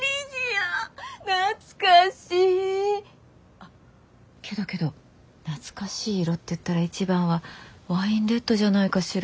あけどけど懐かしい色っていったら一番はワインレッドじゃないかしら。